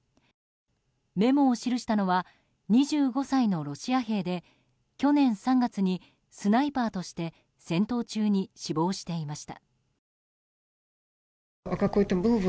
メモを記したのは２５歳のロシア兵で去年３月にスナイパーとして戦闘中に死亡していました。